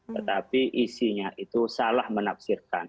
tetapi isinya itu salah menafsirkan